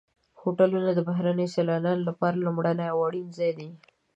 هوټلونه د بهرنیو سیلانیانو لپاره لومړنی اړین ځای دی.